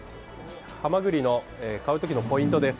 ハマグリの買う時のポイントです。